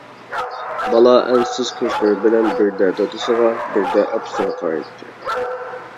بالا ئەنسىز كۆزلىرى بىلەن بىردە دادىسىغا، بىردە ئاپىسىغا قارايتتى.